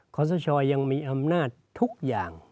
ขอสชยังมีอำนาจทุกอย่าง